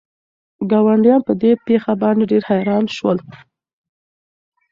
ګاونډیان په دې پېښه باندې ډېر حیران شول.